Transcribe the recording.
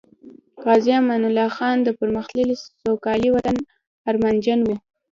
غازی امان الله خان د پرمختللي، سوکالۍ وطن ارمانجن وو